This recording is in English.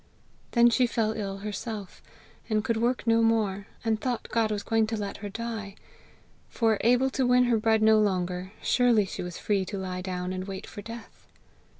Then she fell ill herself, and could work no more, and thought God was going to let her die; for, able to win her bread no longer, surely she was free to lie down and wait for death!